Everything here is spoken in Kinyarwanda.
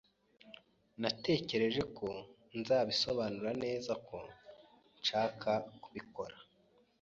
Natekereje ko nzabisobanura neza ko ntashaka kubikora.